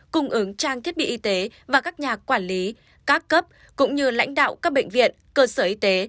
cung ứng trang thiết bị y tế và các nhà quản lý các cấp cũng như lãnh đạo các bệnh viện cơ sở y tế